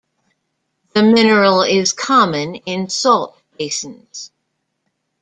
The mineral is common in salt basins.